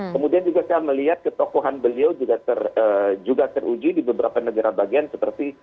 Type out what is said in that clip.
kemudian juga saya melihat ketokohan beliau juga teruji di beberapa negara bagian seperti